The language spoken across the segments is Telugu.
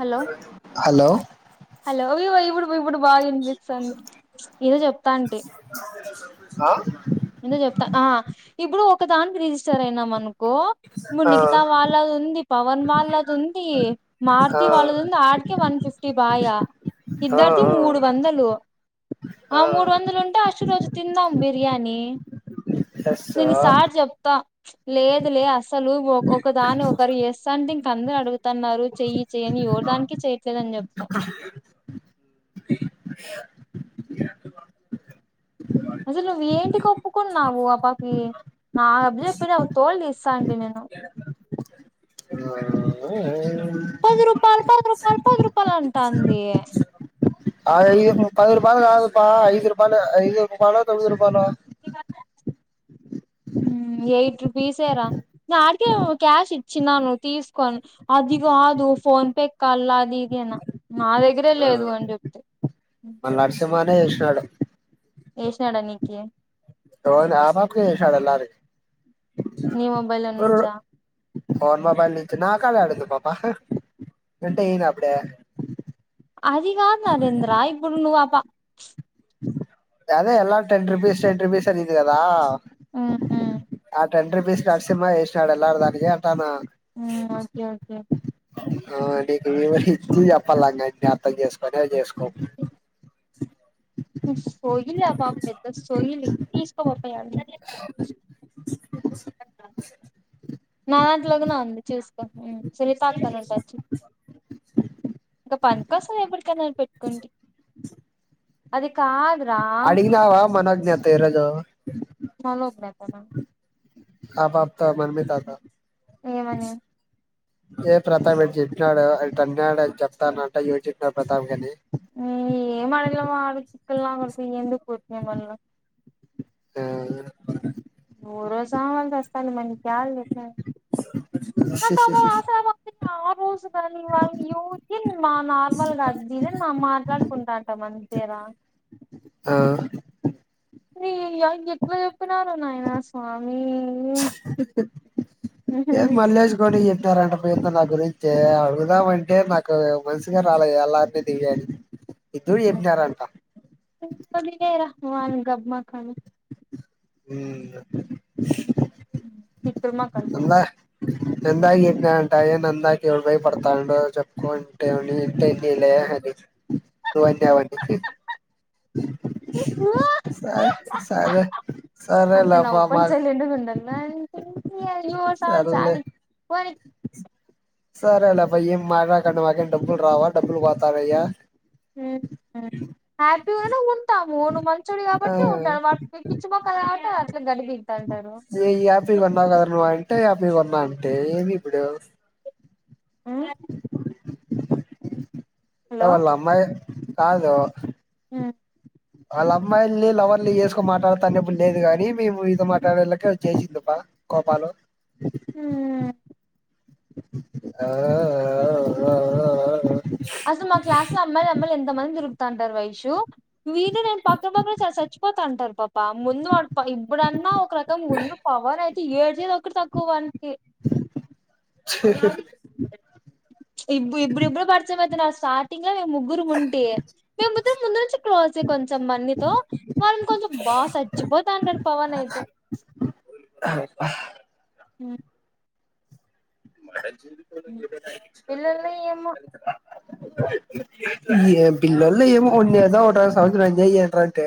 హలో హలో హలో ఇవి ఇప్పుడు ఇప్పుడు బాగా వినిపిస్తుంది ఏదో చెప్తాంటే న ఏందో చెప్త ఆ ఇప్పుడు ఒక దానికి రిజిస్టర్ అయినాం అను ఓ ఆ మునిగితా వాళ్ళది ఉంది పవన్ వాళ్ళది ఉంది ఆ మారుతి వాళ్ళది ఉంది ఆడికే వన్ ఫిఫ్టీ బాయ ఆ ఇద్దరిది మూడు వందలు ఆ మూడు వందలు ఉంటే అస్ట రోజు తిందాం బియానీ ఎస్ [inaudible] ఆ నేను ఈ సార్ చెప్త లేదు లే అసలు ఒక దాని ఒకరు ఎస్త తన్నె అడుగు తన్నారు చెయ్యి చెయని ఎవరు దానికి చేయట్లేదని చెప్తా [inaudible] అసలు నువ్ ఏంటికి ఒప్పుకున్నావు అబకి నా అబ్బ చెప్పి తోళ్ ఇస్తా అండి నేను [inaudible] పది రూపాయల్ పది రూపాయల్ పది రూపాయల్ అంటాంది ఆ [unintelligible] పది రూపాయల్ కాదు పా ఐదు రూపాయలు ఐదు రూపాయాలలో తొమ్మిది రూపాయాలో ఎయిట్ రుపీసెరా అడికే క్యాష్ ఇచ్చినాను తీస్క అదిిగ కాదు ఫోన్ పే కల్లా అది ఇదేనా నా దగ్గరే ఆ లేదు అని చెప్తే అట్నే జేషినడ ఏేషినడా నీకి తో నాపాకు వేసా నీ మొబైల్లో నుంచా ఫోన్ మొబైల్ నుంచి నా కాడ యాడుందు పాప ఉంటే యీన అప్పుడే అది కాదు నరేంద్ర ఇప్పుడు నువ్ అ పాప చ్ అదే ఎలా టెన్ రుపీస్ టెట్ రుపీస్ అనిద్ది కదా ఉ ఆ టెన్ రూపీస్ నర్సిమ్మ వేసినాడు ఎల్లాడ్దానికి అంటున్న ఉమ్ ఓకె ఓకె ఆ నీకు ఇవరిప్పుడు చెప్పల్ల అర్థం చేసుకుొని అ చేసుకో [inaudible] స ప [unintelligible] నా దాంట్లోకి నా ఉంది చూసుకో [unintelligible] అక్క అని ఉంటది ఇంకా పని కోసం ఎప్పటికైనా పెట్టుకుంట అది కాదురా అడిగినవా మనొగ్నె అక్క ఈ రోజు అ ఆ పాపతో మన్మితతో ఏమని ఏ ప్రతాప్ చెప్పినాడు [unintelligible] చెప్తానంట యూ చెప్పినాడు ప్రతాప్ కాని ఏం ఇ మల్ ఆ నువ్వు రోజు [unintelligible] [inaudible] [inaudible] ఆ రోజు కానీ వాళ్ళ యూకి మా నార్మల్గా డిజైన్ అని మాట్లాడుకుంటాంట అంతే రా ఆ రే [unintelligible] రిప్లై ఇవ్వు చెప్పినారా నాయనా స్వామి [unintelligible] పేరుతో నా గురించి అడుగుదామ అంటే నాకు మనిషిగా రాలే అలాంటిది దివ్య అనీ ఇద్దూరూ చెప్పినారు అంట వాళ్ళు గబ్బు మోకాలు ఉ [unintelligible] అంతే నందాకి చెప్పినారు అంట ఏంది నందాకి ఎవడు భయపడతాడు చెప్పుకో అంటే వాడ్ని ఏం [unintelligible] అని [unintelligible] సరే సరే సరేలే అంతే అవ్వ నవ్వుకొని మరి [unintelligible] చాలు ఇంక ఫోన్ ఈ సరేలే అప్పా ఏం మాట్లాడితే మాకేం డబ్బులు రావా డబ్బులు పోతానయా హ్యపీ ఉంటాము నువ్వు మంచోడివి ఆ కాబట్టి ఉంటాడు వానికి పిచ్చి మోక్కల్ కాబట్టి అట్లా గలిబిలి అంటుంటాడు ఏ యాపీ కొన్నావు కదా నువ్వు అంటే యాపీ కొన్నా అంటే ఏంది ఇప్పుడు ఊ అంటే వాళ్ళ అమ్మాయి కాదు హూ వాళ్ళ అమ్మాయిల్ని లవర్లు చేసుకోని మాట్లాడుతా అనేప్పుడు లేదు గాని మేము మీతో మాట్లాడెలెక్కే వచేసింది అప్పా కోపాలు మ్మ్ ఆ ఆఆ ఆ ఆఆఆ ఆ అసలు మా క్లాస్ లో అమ్మాయిల నంబర్లు ఎందుకు అంత మంది తిరుగుతాంటారు వైషూ వీడు నేను పక్కన పక్కన సరే సచ్చీపోతున్నాం ఇంతే అంటారు పాప ప్పా ముందు వాడి పవర్ ఇప్పుడన్నా ఒక రకం ముందు పవన్ అయి ఏడ్చేది ఒక్కటి తక్కువ వానికి ఇప్పు ఇప్పుడు ఇప్పుడే పడుతుంది పెదిన స్టార్టింగ్ ముందే మేము ముగ్గురుము ఉంటి మేము ముద్దరం ముందు నుంచి క్లోజ్ కొంచెం మన్నితో మనం కొంచెం బాగా చచ్చిపోతా అంటనిటి పవన్ అయితే హ మ పిల్లల్ని ఏమో ఏ పిల్లల్లో ఏమో ఉన్నదే ఒకటా సమాచారం ఎంజాయ్ చేయండిరా అంటే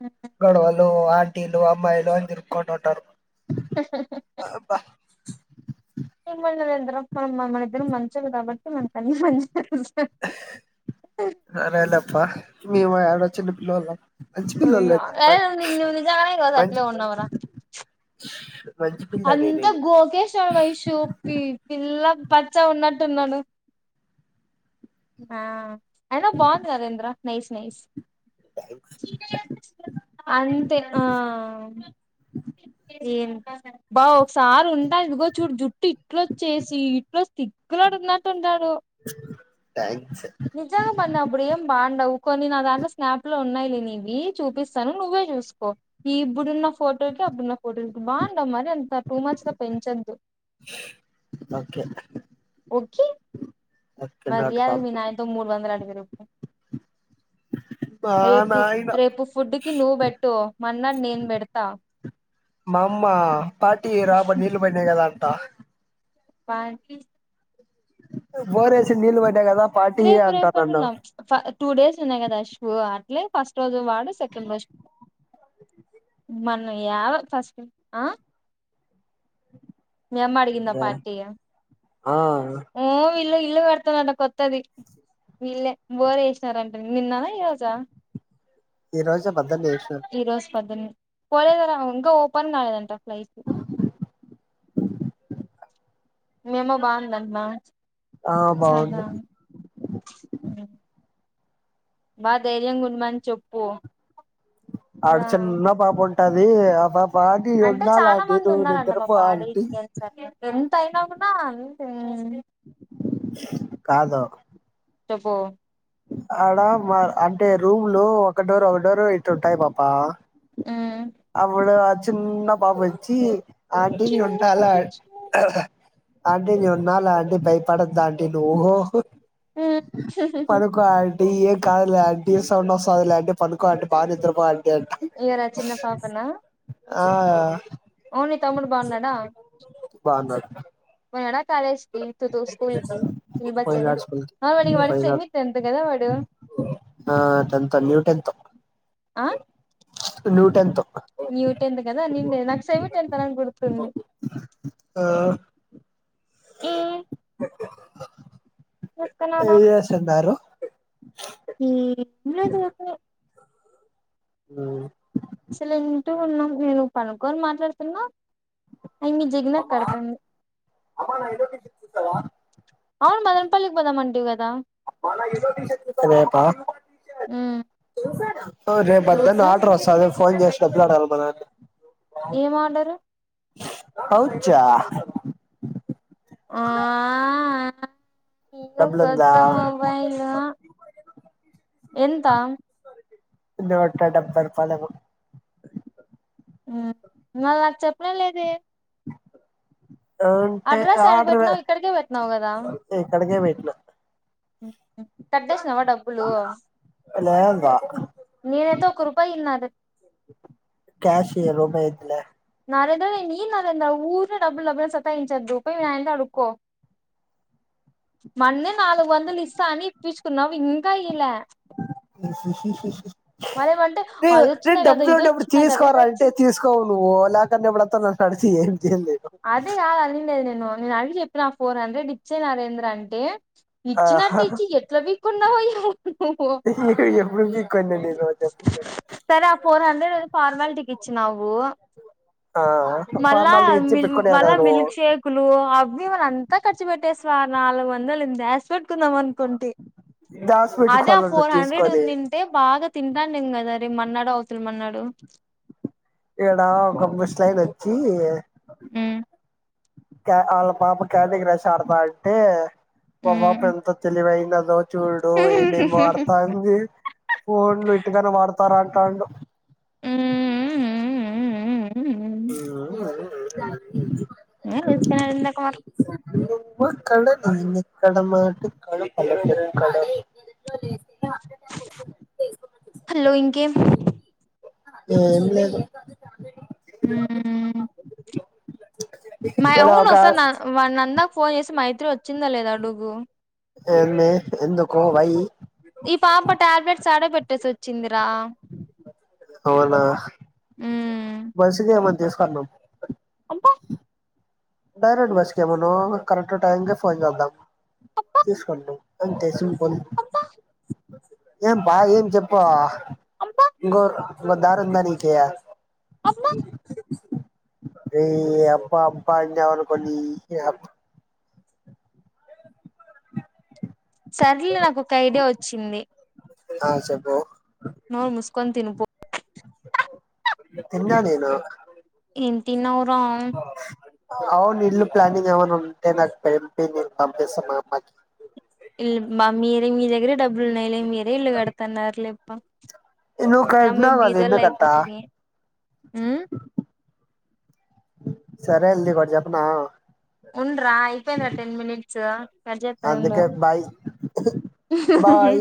అ గొడవలు ఆంటీలు అమ్మాయిలు అని తిరుకుంట ఉంటారు అబా మమందర మనం మన ఇద్దరం మంచిది కాబట్టి మనకున్న మంచి సరేలే అప్ప మేము ఎడ వచ్చన్న పిల్లల్ల అయ్య నిజాంగాస మంచి అట్లే ఉన్నవరా మంచి పిల్లని అంత నేను గోకేశ వాళ వైశూప్పి పిల్లా పచ్చా ఉన్నట్టున్నాను ఆ అనా బాగుంది నరేంద్ర నైస్ నైస్ అంతే ఆ ఏంత బా ఒకసారి ఉంటా ఇదిగో చూడు జుట్టు ఇట్ల వచ్చేసి ఇట్ల దిగులోడు ఉన్నట్టుంటాడు థ్యాంక్ నిజంగా పన్న అప్పుడేం పాండవు కొన్ని నా దాంట్లో స్నాప్ లో ఉన్నాయి నవి చూపిస్తాను నువ్వే చూసుకో ఈ ఇప్పుడున్న ఫోటోకి అప్పుడున్న బా ఉంటావ్ మరి అంత టూ మచ్ గా పెంచద్దు ఓకే ముక్కి ఓకే నాటు మర్యాదగ పాప మీ నాయన తో మూడు వందలు అడుగు [unintelligible] మా రేపు నాయన రేపు ఫుడ్ కి నువ్వు బెట్టు మన్నాడు నేను పెడతా మా అమ్మ పార్టీ రాబ నీళ్లు పన్నాయి కదా ట పార్కి బోరేసిన్ నీళ్లు పడ్డాయి కదా పార్టీ రేపు రేపు అంటా నన్ను పొద్దున ఫ టూ డేస్ తున్నయి కదా శూ అట్లే ఫస్ట్ రోజు వాడు సెకండ్ రోజు మన యావో ఫస్ట్ ఆ మీ అమ్మడిగిందా పార్టీ ఆ ఊ వీళ్ళు ఇ ఇల్లు కడతారంట కొత్తది వీళ్ళే బోరేసినారంట నిన్ననా ఈ రోజా ఈ రోజు పద్దన్నే ఏసినాం పద్దన్నె పోలేదారా ఇంకా ఓపెన్ కాలేదంట ఫ్లైట్ మీ అమ్మ బాందంటనా ఆ బాగుంది బా ధైర్యం గుండమని చెప్పు ఆడ కదా చిన్న పాపోన్ని టది ఆ పాప్ అంటే చాలా మంది ఉన్నరంట పప్పా ఆంటీ అడిగినింటే సర్లే ఎంత అయినా కూడా అన్ కాదు చెప్పో ఆడా మా అంటే రూమ్లు ఒక డోర్ ఒక డోర్ ఇటు ఉంటాయి పాప్ప ఉమ్. అవుడు అది చిన్న బాబు వచ్చి ఆంటీ నేను చిన్ని ఉంటాలే పట్టి ఆంటీ నేనున్నారులే ఆంటీ భయపడక్ ఏంద్ ఆంటీ నువ్వూ పనుకో ఆంటీ ఏం కాదులే ఆంటీ సౌండ్ వస్తాదిలే ఆంటీ పనుకో అంటే బాగా నిద్రపోవాలి ఏరా చిన్న పాపనా ఆ ఓన్లీ తమ్ముడు బాగున్నాడా బాగున్నాడు మేడార్ కాలేజ్ కి తూ తూ స్కూల్ కి వినబచ్చేన పోయినాడు స్కూల్ కి ఆ మడి వాడు పోయినాడు సెమి తెంతు కదా వాడు ఆ టెన్త్ ఆ. ఇప్పుడు న్యూ టెన్త్ న్యూ టెన్త్ కదా అనిండేది నాకు సేమీ టెన్త్ అనేంది గుర్తుంది. ఆ ఉమ్ ఏం ఏస్సుండారు ఉమ్ లేదు ఊరికనే ఉమ్ సైలెంట్ గున్నాం నేను పనుక్కొని మాట్లాడుతున్నా అయి మీ జగనక్క కడుతుంది అవును మదనపల్లికి పోందామంటివి కదా రేపా మ్మ్ ఓ రేపు బద్దన్నే చూద్దాం ఆడర్ వస్తాంది ఫోన్ చేస్ డబ్బులు అడగాల మానాయన్ని ఏం ఆర్డరు పౌచా ఆ ఉమ్ డబ్బులుందా కొత్త మొబైల్ ఎంత నూట డెబ్బై రూపాయలు ఏమో ఉమ్ మరి అది చెప్పనే లేదే అ ఉంటే అడ్రస్ యాడికి ఆడరువే పెట్టినావు ఇక్కడికే పెట్టినావు ఇక్కడికే వె నా మ్ హు కట్టేసినవా డబ్బులు లేదుబా నేనైతే ఒక్క రూపాయి ఇయన్ నాది క్యాష్ ఇయ్యి రూపాయి వద్దులే నరేంద్ర నే ఇయను నరేంద్ర ఊరికనే డబ్బులు డబ్బులు అని సతాయించొద్దు పోయ్ మీనాయన్ తోఅడుక్కో, మొన్నే నాలుగు వందలు ఇస్తా అని ఇప్పించుకున్నావ్ ఇంకా ఇయ్యలే. మళ్ళేమంటే రే అది రేనే వచ్చినాయి కదా డబ్బులు ఇది ఉండేప్పుడు వచ్చినాయి కదా ఇది తీసుకోరా అంటే వచ్చినాయి తీసుకోవు నువ్వు లేక న్నే ఎప్పుడొత్తాను కడితే ఏం చేయలేను అది కాద్ అనిండేది నేను నేను నేను అగి చెప్పిన ఫోర్ హండ్రెడ్ ఇచ్చే నరేంద్ర అంటే ఇచ్చినట్టు ఆహా ఇచ్చి ఎట్ల వికోన్ న్నావో ఏమో ఎప్పుడు పీక్కోను నేను చెప్పు సరే ఆ ఫోర్ హండ్రెడ్ ఫార్మాలిటీకి ఇచ్చినావు ఆ మళ్ళా ఫార్మాలిటీ ఇచ్చి మిల్ పెట్టుకునేది మళ్ళా కదా నువ్వు మిల్క్ షేక్లు అవి వాళ్ళంతా ఖర్చు పెట్టేస్ త్వ నాలుగు వందలుంద ఆ స్వీట్ కుందాం అనుకుంటి దాసి అదే ఆ పెట్టుకోవాలంట ఫోర్ హండ్రెడ్ తీసుకొని ఉందింటే బాగా తింటాంటిమి కదా రే మన్నాడో అవుతలి మన్నాడు ఇక్కడా ఒక బుష్ లైన్ అచ్చి ఉ ఇంకా ఆళ్ళ పాప కాండీక్రష్ ఆడుతాంటే మా పాపం మ్మ్ ఎంత తెలివైంది లేదు చూడు ఏమేమి వాడతాంది ఫోన్ లో ఇంటికనే వాడుత ఉత్తరాఖండు ఊ ఆ అదే అ నీల్ తీసుకున్నారు ఇందాక వాటర్ నేనిక్కడ మాటిక్కడ పలుకక్కడ హలో ఇంకేం ఏం లేదు హు మా ఇక్కడ యవ్వని ఒక ఒసారి నా వాడి నంద ఫోన్ చేసి మా ఇద్దరు వచ్చిందా లేదా అడుగు ఏంది ఎందుకు వై ఈ పాప టాబ్లెట్స్ ఆడె బెడ్ బెట్టేసి వచ్చింది రా అవునా బస్సుకు ఏమన్నా తీసు కన్నుం బ డైరెక్ట్ బసుకేమను కరెక్ట్ టైం కె ఫోన్ చేద్దాం అబ్బా తీసుకుంటం అంతే సింపుల్ అబ్బా ఏం బా ఏం చెప్పు అబ్బా ఇంకో దారి ఉందా నికి అబ్బా ఏ అబ్బా అబ్బా అన్నావనుకో ని అబ్బా సర్లే నాకు ఒక ఐడియా వచ్చింది. ఆ చెప్పు నోరు మూసుకొని తిను పో తిన్నా నేను ఏం తిన్నావురా అవును ఇల్లు ప్లానింగ్ ఏమైన ఉంటె నాకు పెంపి నేను పంపిస్తా మా అమ్మకి. ఇల్ మ మీరె మీ దగ్గరె డబ్బులు ఉన్నాయిలె మీరె ఇల్లు కడుతన్నారు లెప్ప. ఇల్లు కట్టినావు కదా ఎందుకంత. అయిపోతిమి మ్మ్ సరే అల్ది నీకొటి చెప్పనా ఉండ్రా అయిపోయినా టెన్ మినిట్స్. చ్చ అందుకె బాయ్ ఊహ బాయ్